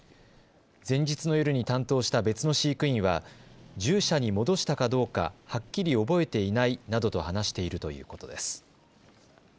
前日の夜に担当した別の飼育員は獣舎に戻したかどうかはっきり覚えていないなどと話しているということです。